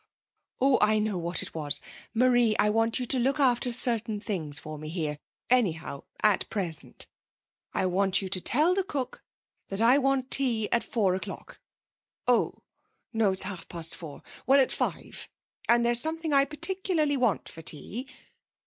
'Oh, I know what it was. Marie, I want you to look after certain things for me here anyhow, at present. I want you to tell the cook that I want tea at four o'clock. Oh no, it's half past four well, at five. And there's something I particularly want for tea.